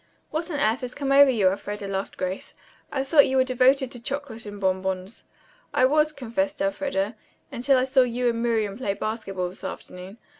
"What on earth has come over you, Elfreda," laughed Grace. "I thought you were devoted to chocolate and bonbons." "I was," confessed Elfreda, "until I saw you and Miriam play basketball this afternoon.